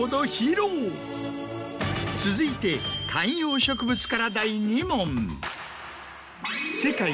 続いて観葉植物から第２問。